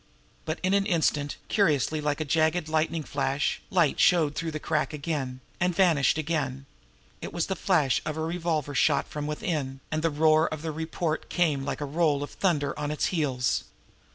But in an instant, curiously like a jagged lightning flash, light showed through the crack again and vanished again. It was the flash of a revolver shot from within, and the roar of the report came now like the roll of thunder on its heels.